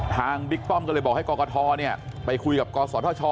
บิ๊กป้อมก็เลยบอกให้กรกฐไปคุยกับกศธช